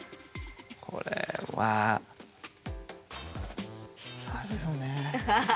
これはあるよね。